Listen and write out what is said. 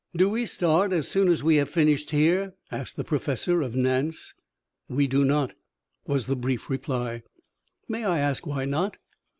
"Do we start as soon as we have finished here?" asked the Professor of Nance. "We do not," was the brief reply. "May I ask why not?"